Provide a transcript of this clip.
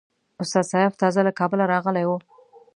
استاد سیاف تازه له کابله راغلی وو.